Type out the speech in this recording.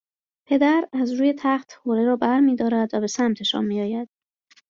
پدر از روی تخت حوله را برمیدارد و به سمتشان میآید